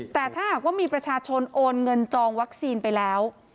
แต่ถ้าหากว่ามีประชาชนโอนเงินจองวัคซีนไปแล้ว